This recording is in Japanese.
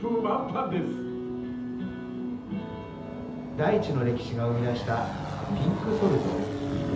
大地の歴史が生みだしたピンクソルト。